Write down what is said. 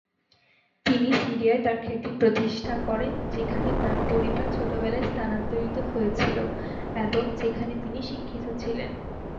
তিনি সিরিয়ায় তার খ্যাতি প্রতিষ্ঠা করেন, যেখানে তার পরিবার ছোটবেলায় স্থানান্তরিত হয়েছিল এবং যেখানে তিনি শিক্ষিত ছিলেন।